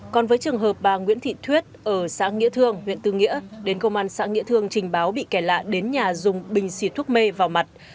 còn với trường hợp bà nguyễn thị thuyết ở xã nghĩa thương huyện tư nghĩa đến công an xã nghĩa thương trình báo bị kẻ lạ đến nhà dùng bình xịt thuốc mê vào mặt